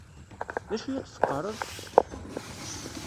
D acu i ad teqqaṛeḍ?